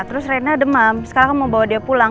terus rena demam sekarang aku mau bawa dia pulang